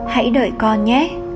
hãy đợi con nhé